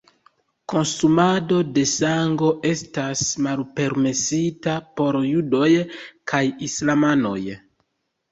Konsumado de sango estas malpermesita por judoj kaj islamanoj.